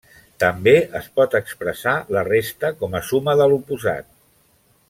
També es pot expressar la resta com a suma de l'oposat.